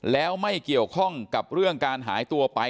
แล้วไม่เกี่ยวข้องกับเรื่องการหายตัวไป